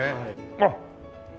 あっ！